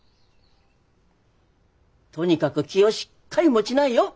とにかく気をしっかり持ちないよ